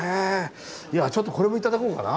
ちょっとこれも頂こうかな。